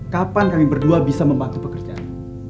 kapan kami berdua bisa membantu pekerjaan